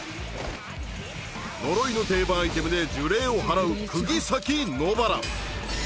呪いの定番アイテムで呪霊を祓う釘崎野薔薇。